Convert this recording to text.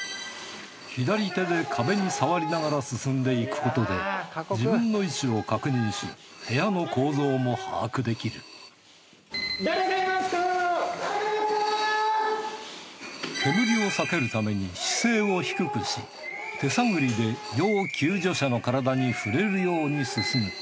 左手で壁に触りながら進んでいくことで自分の位置を確認し部屋の構造も把握できる煙を避けるために姿勢を低くし手探りで要救助者の体に触れるように進む。